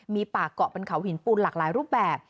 มีป่าเกาะเป็นเขาหินปูนหลากหลายรูปแบบ